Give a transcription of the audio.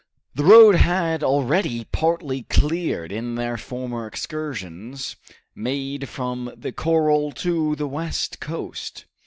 The road had been already partly cleared in their former excursions made from the corral to the west coast.